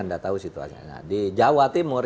anda tahu situasinya di jawa timur